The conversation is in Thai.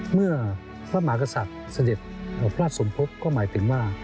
เมื่อพระมากษัตริย์สัญญาณพระพระสมพพก็หมายถึงว่า